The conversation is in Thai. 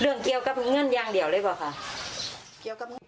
เรื่องเกี่ยวกับเงื่อนยังเดี๋ยวเลยก่อนค่ะ